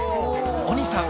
お兄さん